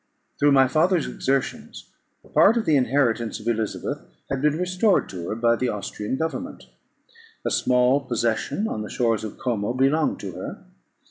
Through my father's exertions, a part of the inheritance of Elizabeth had been restored to her by the Austrian government. A small possession on the shores of Como belonged to her.